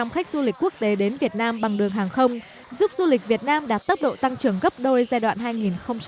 tám mươi khách du lịch quốc tế đến việt nam bằng đường hàng không giúp du lịch việt nam đạt tốc độ tăng trưởng gấp đôi giai đoạn hai nghìn một mươi năm hai nghìn một mươi tám